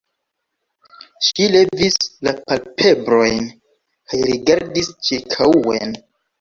Ŝi levis la palpebrojn kaj rigardis ĉirkaŭen.